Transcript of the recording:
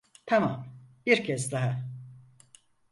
Tamam, bir kez daha.